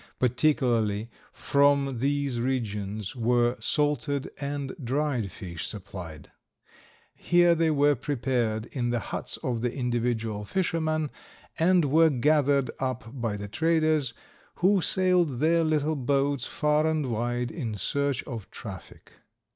Particularly from these regions were salted and dried fish supplied. Here they were prepared in the huts of the individual fisherman and were gathered up by the traders, who sailed their little boats far and wide in search of traffic.